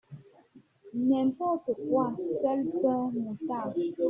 n’importe quoi : sel, pain, moutarde